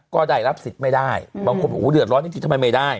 ก็ได้รับสิทธิ์ไม่ได้บางคนบอกเดือดร้อนจริงทำไมไม่ได้